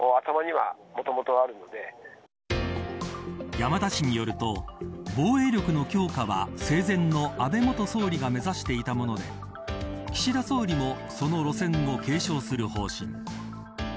山田氏によると防衛力の強化は生前の安倍元総理が目指していたもので岸田総理もその路線を継承する方針。